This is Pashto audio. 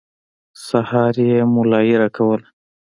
سهار يې ملايي راکوله.